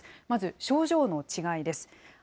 まず症状の違いです。